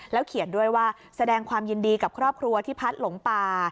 เขียนด้วยว่าแสดงความยินดีกับครอบครัวที่พัดหลงป่า